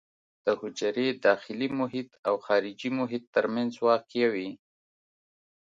د حجرې داخلي محیط او خارجي محیط ترمنځ واقع وي.